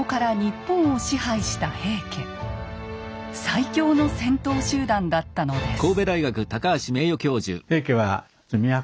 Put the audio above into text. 最強の戦闘集団だったのです。